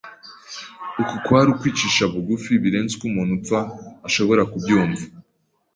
Uku kwari ukwicisha bugufi birenze uko umuntu upfa ashobora kubyumva.